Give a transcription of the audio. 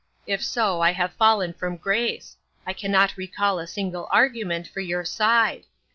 If so, I have fallen from grace. I can not recall a single argu ment for your side.